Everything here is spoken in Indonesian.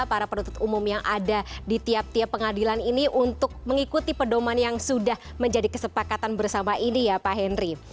para penutup umum yang ada di tiap tiap pengadilan ini untuk mengikuti pedoman yang sudah menjadi kesepakatan bersama ini ya pak henry